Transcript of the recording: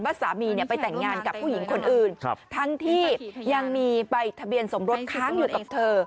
สามีเนี่ยไปแต่งงานกับผู้หญิงคนอื่นทั้งที่ยังมีใบทะเบียนสมรสค้างอยู่กับเธอ